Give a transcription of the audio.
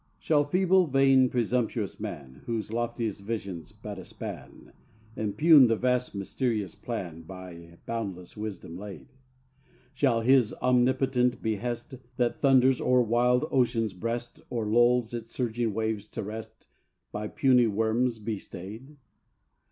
Shall feeble, vain, presumptuous man Whose loftiest vision's but a span, Impugn the vast mysterious plan By boundless wisdom laid? Shall His omnipotent behest, That thunders o'er wild ocean's breast, Or lulls its surging waves to rest, By puny worms be stayed?